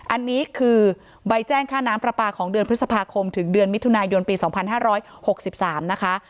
อันนี้คือใบแจ้งค่าน้ำประปาของเดือนพฤษภาคมถึงเดือนมิถุนายยนต์ปีสองพันห้าร้อยหกสิบสามนะคะ